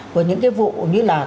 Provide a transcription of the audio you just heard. của những cái vụ như là